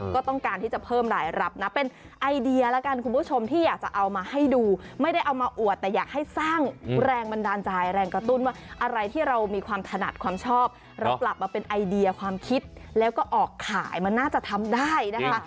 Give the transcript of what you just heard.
ก็ต้องการที่จะเพิ่มรายรับนะเป็นไอเดียแล้วกันคุณผู้ชมที่อยากจะเอามาให้ดูไม่ได้เอามาอวดแต่อยากให้สร้างแรงบันดาลใจแรงกระตุ้นว่าอะไรที่เรามีความถนัดความชอบเรากลับมาเป็นไอเดียความคิดแล้วก็ออกขายมันน่าจะทำได้นะคะ